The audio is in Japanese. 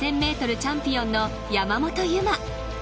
チャンピオンの山本有真。